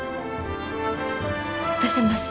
出せます。